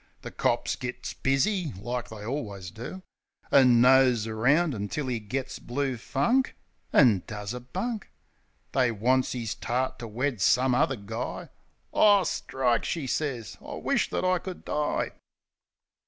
The cops gits busy, like they allwiz do. An' nose around until 'e gits blue funk An' does a bunk. They wants 'is tart to wed some other guy. "Ah, strike!" she sez. "I wish that I could die!"